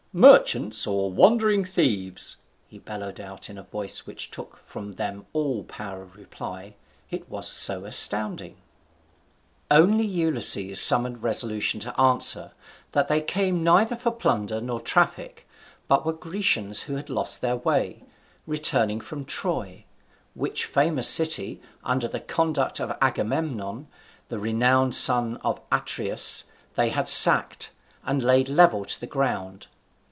Merchants or wandering thieves?" he bellowed out in a voice which took from them all power of reply, it was so astounding. Only Ulysses summoned resolution to answer, that they came neither for plunder nor traffic, but were Grecians who had lost their way, returning from Troy; which famous city, under the conduct of Agamemnon, the renowned son of Atreus, they had sacked, and laid level with the ground.